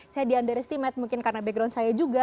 saya di under estimate mungkin karena background saya juga